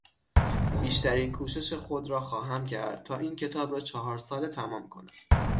بیشترین کوشش خود را خواهم کرد تا این کتاب را چهار ساله تمام کنم.